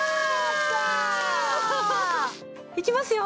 いきますよ！